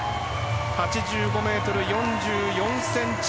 ８５ｍ４４ｃｍ。